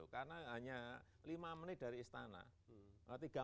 karena hanya lima menit dari istana